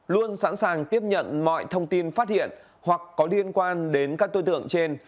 luôn sẵn sàng tiếp nhận mọi thông tin phát hiện hoặc có liên quan đến các đối tượng trên